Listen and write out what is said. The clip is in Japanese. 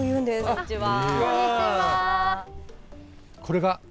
こんにちは。